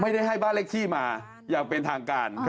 ไม่ได้ให้บ้านเลขที่มาอยากเป็นทางการ